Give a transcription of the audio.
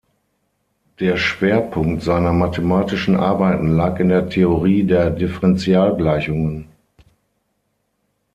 Der Schwerpunkt seiner mathematischen Arbeiten lag in der Theorie der Differentialgleichungen.